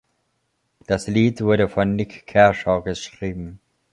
Das Lied wurde von Nik Kershaw geschrieben.